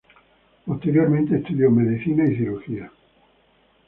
Posteriormente estudió Medicina y Cirugía.